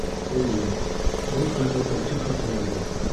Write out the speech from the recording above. Эйе. Был күлдәккә күпме түләргә?